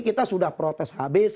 kita sudah protes habis